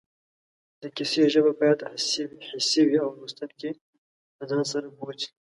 د کیسې ژبه باید حسي وي او لوستونکی له ځان سره بوځي